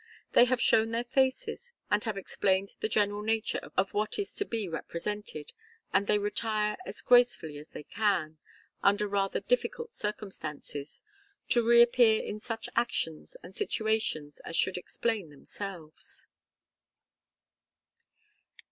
They have shown their faces and have explained the general nature of what is to be represented, and they retire as gracefully as they can, under rather difficult circumstances, to reappear in such actions and situations as should explain themselves.